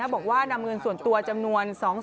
บอกว่านำเงินส่วนตัวจำนวน๒แสน๒หมื่นบาท